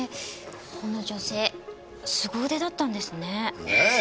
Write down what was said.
この女性すご腕だったんですね。